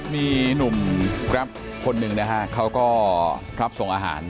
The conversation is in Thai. มีหนุ่มแกรปคนหนึ่งนะฮะเขาก็รับส่งอาหาร